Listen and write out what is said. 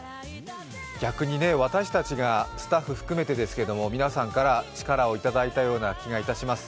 逆に私たちがスタッフ含めてですけれども皆さんから力をいただいたような気がいたします。